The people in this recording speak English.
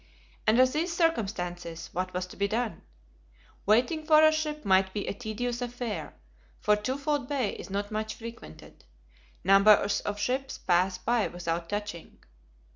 Under these circumstances, what was to be done? Waiting for a ship might be a tedious affair, for Twofold Bay is not much frequented. Numbers of ships pass by without touching.